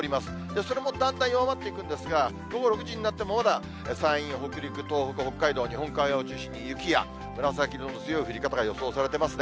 それもだんだん弱まっていくんですが、午後６時になってもまだ山陰や北陸、東北、北海道、日本海側を中心に雪や紫色の強い降り方が予想されてますね。